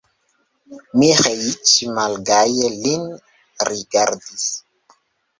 Miĥeiĉ malgaje lin rigardis.